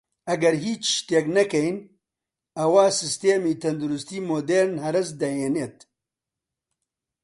ئەگەر هیچ شتێک نەکەین ئەوە سیستەمی تەندروستی مودێرن هەرەس دەهێنێت